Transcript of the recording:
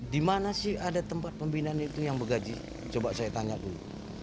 dimana sih ada tempat pembinaan itu yang bergaji coba saya tanya dulu